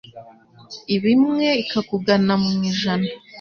Iba imwe ikakugana mu ijana